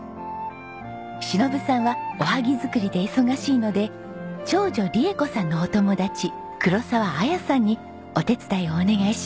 忍さんはおはぎ作りで忙しいので長女利恵子さんのお友達黒沢綾さんにお手伝いをお願いしました。